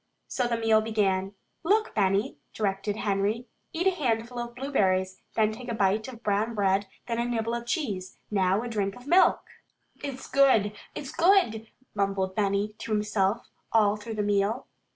So the meal began. "Look, Benny," directed Henry. "Eat a handful of blueberries, then take a bite of brown bread, then a nibble of cheese. Now, a drink of milk!" "It's good! It's good!" mumbled Benny to himself all through the meal.